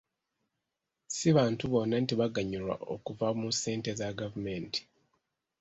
Si bantu bonna nti baganyulwa okuva mu ssente za gavumenti.